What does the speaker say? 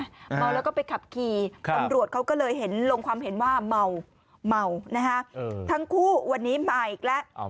เมาแล้วก็ไปขับขี่ตำรวจเขาก็เลยเห็นลงความเห็นว่าเมาเมานะฮะทั้งคู่วันนี้มาอีกแล้ว